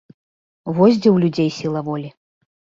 Вось дзе ў людзей сіла волі!